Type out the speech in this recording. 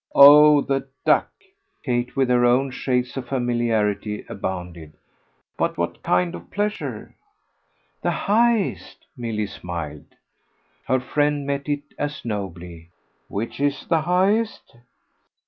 "Oh the duck!" Kate, with her own shades of familiarity, abounded. "But what kind of pleasure?" "The highest," Milly smiled. Her friend met it as nobly. "Which IS the highest?"